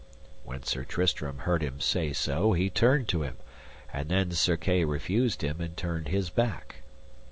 When Sir Tristram heard him say so he turned to him, and then Sir Kay refused him and turned his back.